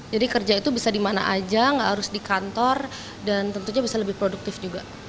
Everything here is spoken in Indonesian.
jadi kerja itu bisa di mana saja tidak harus di kantor dan tentunya bisa lebih produktif juga